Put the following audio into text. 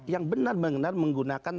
yang benar benar menggunakan